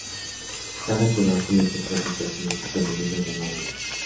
Cada jugador comienza creando un personaje femenino llamado lady.